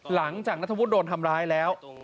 หลังจากนัทโทบุธโดนทำร้ายแล้ว